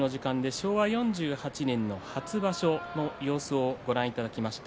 昭和４８年初場所の様子をご覧いただきました。